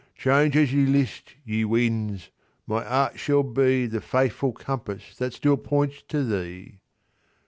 Change as ye list, ye winds; my heart shall beThe faithful compass that still points to thee.